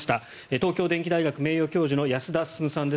東京電機大学名誉教授の安田進さんです。